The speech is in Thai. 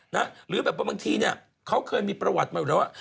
หรือแบบว่าบางทีเนี่ยเขาเคยมีประวัติมาอยู่แล้วว่า